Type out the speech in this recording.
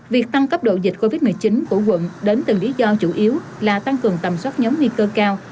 việc tăng cấp độ dịch covid một mươi chín của quận đến từ lý do chủ yếu là tăng cường tầm soát nhóm nguy cơ cao